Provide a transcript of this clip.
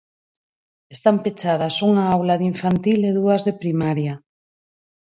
Están pechadas unha aula de infantil e dúas de primaria.